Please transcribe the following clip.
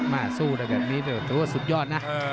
มาสู้ด้วยกันถือว่าสุดยอดนะ